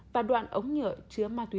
và đoạn ống nhở chứa ma túy